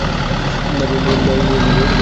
দরোয়ান সমস্ত বলিল।